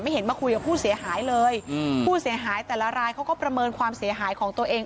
เห็นมาคุยกับผู้เสียหายเลยอืมผู้เสียหายแต่ละรายเขาก็ประเมินความเสียหายของตัวเอง